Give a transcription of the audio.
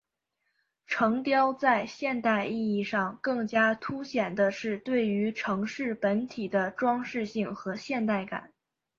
城雕在现代意义上更加凸显的是对于城市本体的装饰性和现代感。